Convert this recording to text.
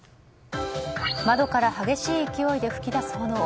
窓から激しい勢いで噴き出す炎。